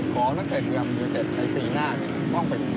ขอนักเศรษฐ์เรือดูยเจ็ตในปีหน้าต้องเป็น